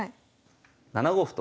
７五歩と。